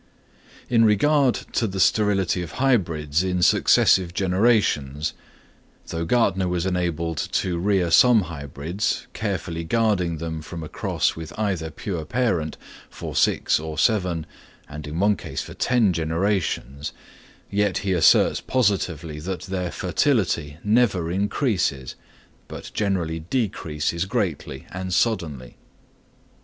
In regard to the sterility of hybrids in successive generations; though Gärtner was enabled to rear some hybrids, carefully guarding them from a cross with either pure parent, for six or seven, and in one case for ten generations, yet he asserts positively that their fertility never increases, but generally decreases greatly and suddenly.